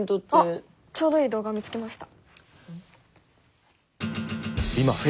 あっちょうどいい動画を見つけました。